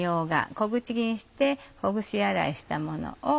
小口切りにしてほぐし洗いしたものを。